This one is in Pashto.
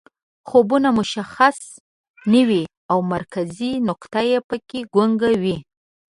خوبونه مشخص نه وي او مرکزي نقطه پکې ګونګه وي